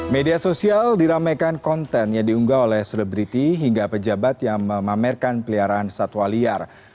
media sosial diramaikan konten yang diunggah oleh selebriti hingga pejabat yang memamerkan peliharaan satwa liar